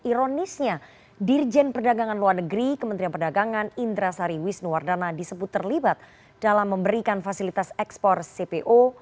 ironisnya dirjen perdagangan luar negeri kementerian perdagangan indra sari wisnuwardana disebut terlibat dalam memberikan fasilitas ekspor cpo